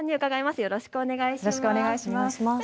よろしくお願いします。